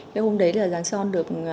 cái hôm đấy là giang son được